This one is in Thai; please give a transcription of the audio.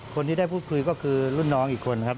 คนที่ได้พูดคุยก็คือรุ่นน้องอีกคนครับ